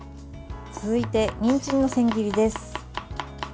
続いて、にんじんの千切りです。